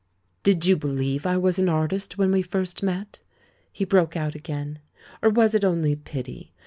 "Did you believe I was an artist when we first met," he broke out again, "or was it only pity?